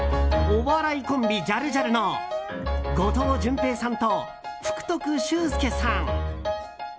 お笑いコンビ、ジャルジャルの後藤淳平さんと福徳秀介さん。